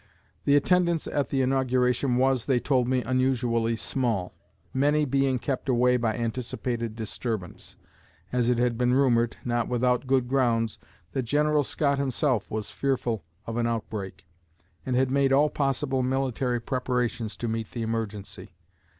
The attendance at the inauguration was, they told me, unusually small; many being kept away by anticipated disturbance, as it had been rumored not without good grounds that General Scott himself was fearful of an outbreak, and had made all possible military preparations to meet the emergency.